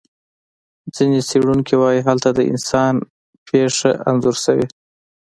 ځینې څېړونکي وایي هلته د انسان پېښه انځور شوې.